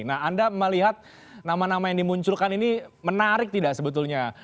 nah anda melihat nama nama yang dimunculkan ini menarik tidak sebetulnya